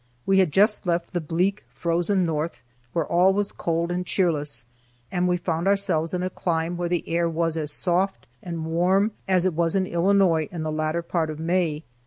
We had just left the bleak, frozen north, where all was cold and cheerless, and we found ourselves in a clime where the air was as soft and warm as it was in Illinois in the latter part of May.